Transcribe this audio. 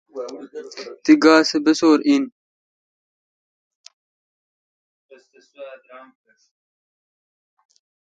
تہ گاے سہ بسو°ر این۔